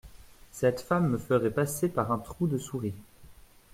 Cette femme me ferait passer par un trou de souris.